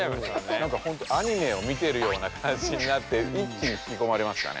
なんかほんとアニメを見てるような感じになって一気にひきこまれましたね。